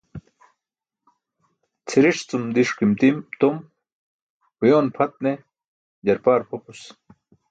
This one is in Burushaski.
Cʰiriṣ cum diṣkim tom uyoon pʰat ne jarpaar pʰopus.